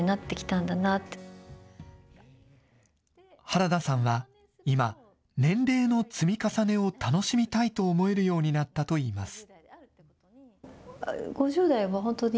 原田さんは、今、年齢の積み重ねを楽しみたいと思えるようになったといいます。